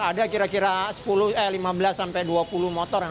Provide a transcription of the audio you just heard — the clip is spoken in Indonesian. ada kira kira sepuluh eh lima belas sampai dua puluh motor yang